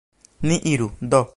Ni iru, do.